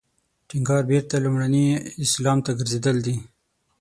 ټینګار بېرته لومړني اسلام ته ګرځېدل دی.